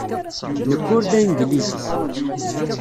Nekk ur d Anglizi.